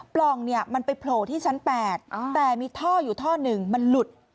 ปล่องมันไปโผล่ที่ชั้น๘แต่มีท่ออยู่ท่อ๑มันหลุด